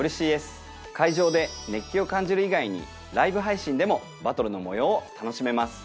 会場で熱気を感じる以外にライブ配信でもバトルの模様を楽しめます。